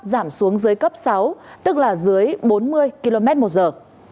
giảm xuống dưới cấp sáu tức là dưới bốn mươi km một giờ